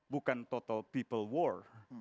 bukan total people war